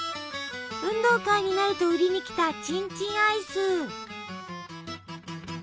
運動会になると売りに来た「チンチンアイス」。